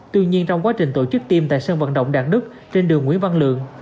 tuy nhiên trong quá trình tổ chức tiêm tại sân vận động đạt đức trên đường nguyễn văn lượng